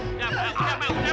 sudahlah sudah sudah sudah sudah